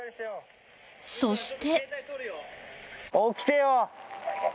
［そして］